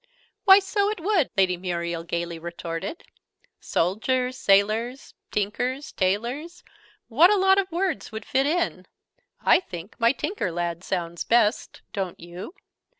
"Why, so it would!" Lady Muriel gaily retorted. "Soldiers, sailors, tinkers, tailors, what a lot of words would fit in! I think 'my tinker lad' sounds best. Don't you?"